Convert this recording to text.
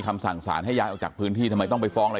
คำสั่งสารให้ย้ายออกจากพื้นที่ทำไมต้องไปฟ้องอะไร